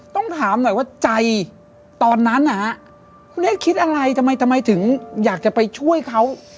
ต้องถามหน่อยว่าใจตอนนั้นนะฮะคุณเอ๊คิดอะไรทำไมทำไมถึงอยากจะไปช่วยเขา